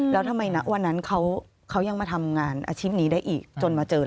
แล้วทำไมนะวันนั้นเขายังมาทำงานอาชีพนี้ได้อีกจนมาเจอ